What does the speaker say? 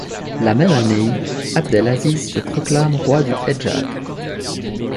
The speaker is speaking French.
La même année, Abdelaziz se proclame roi du Hedjaz.